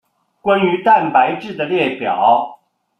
关于蛋白质的列表。